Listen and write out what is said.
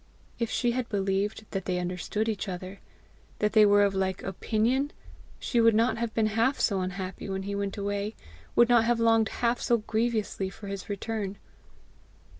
If she had believed that they understood each other, that they were of like OPINION, she would not have been half so unhappy when he went away, would not have longed half so grievously for his return.